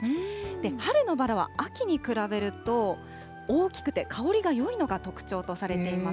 春のバラは秋に比べると、大きくて香りがよいのが特徴とされています。